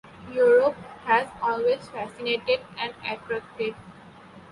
Europe has always fascinated and attracted.